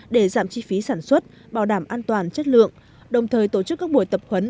để giảm chi phí sản xuất bảo đảm an toàn chất lượng đồng thời tổ chức các buổi tập khuấn